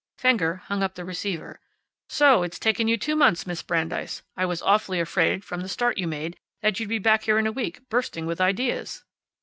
Fenger hung up the receiver. "So it's taken you two months, Miss Brandeis. I was awfully afraid, from the start you made, that you'd be back here in a week, bursting with ideas."